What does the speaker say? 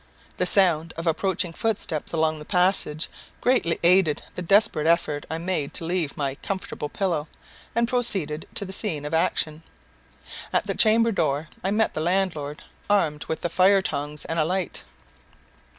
The sound of approaching footsteps along the passage greatly aided the desperate effort I made to leave my comfortable pillow, and proceed to the scene of action. At the chamber door I met the landlord, armed with the fire tongs and a light.